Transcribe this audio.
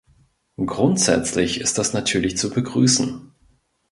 Grundsätzlich ist das natürlich zu begrüßen.